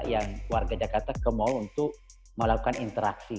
yang warga jakarta ke mal untuk melakukan interaksi